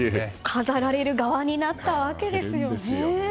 飾られる側になったわけですね。